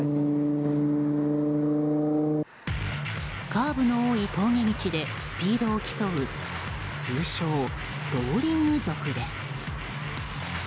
カーブの多い峠道でスピードを競う通称ローリング族です。